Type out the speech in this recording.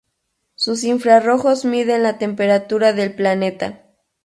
Sus infrarrojos miden la temperatura del planeta Tierra.